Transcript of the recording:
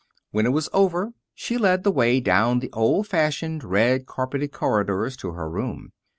When it was over she led the way down the old fashioned, red carpeted corridors to her room.